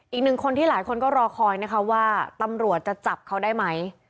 อีกหนึ่งคนที่หลายคนก็รอคอยนะคะว่าตำรวจจะจับเขาได้ไหม